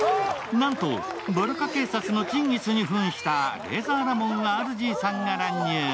なんと、バルカ警察のチンギスにふんしたレイザーラモンＲＧさんが登場。